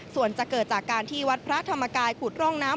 ส่วนจะเกิดจากการที่วัดพระธรรมกายขุดร่องน้ำ